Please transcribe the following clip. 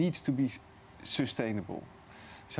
itu harus berjaya